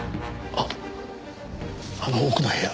あっあの奥の部屋。